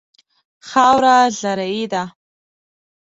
خاوره زرعي ده.